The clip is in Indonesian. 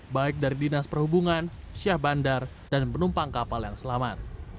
baik dari dinas perhubungan syah bandar dan penumpang kapal yang selamat